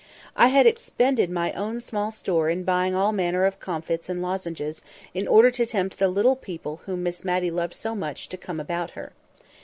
I had expended my own small store in buying all manner of comfits and lozenges, in order to tempt the little people whom Miss Matty loved so much to come about her.